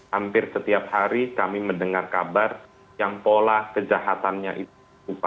hampir setiap hari kami mendengar kabar yang pola kejahatannya itu